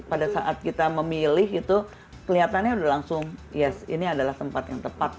pada saat kita memilih itu kelihatannya udah langsung ya ini adalah tempat yang tepat